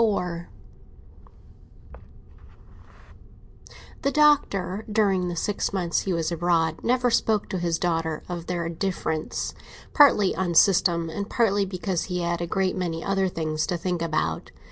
XXIV THE Doctor, during the first six months he was abroad, never spoke to his daughter of their little difference; partly on system, and partly because he had a great many other things to think about.